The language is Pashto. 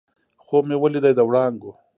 خوب مې ولیدی د وړانګو